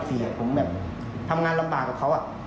ผมแบบทำงานลำบากกับเขา